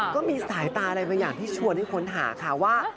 ก็มีสายตาอะไรบางอย่างที่ชวนให้ค้นหาค่ะว่า